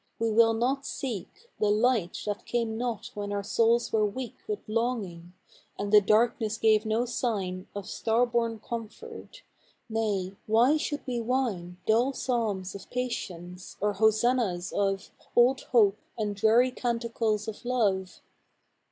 We will not seek The light that came not when our souls were weak With longing, and the darkness gave no sign Of star born comfort. Nay! why should we whine Dull psalms of patience, or hosannas of Old hope and dreary canticles of love?